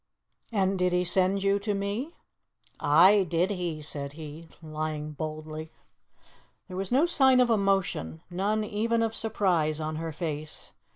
"And did he send you to me?" "Aye, did he," said he, lying boldly. There was no sign of emotion, none even of surprise, on her face.